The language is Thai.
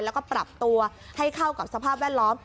แล้วก็ปรับตัวให้เข้ากับสภาพแวดล้อม